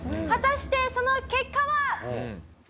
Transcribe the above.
果たしてその結果は？